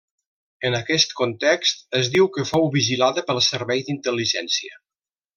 En aquest context, es diu que fou vigilada pel servei d'intel·ligència.